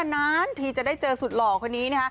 นานทีจะได้เจอสุดหล่อคนนี้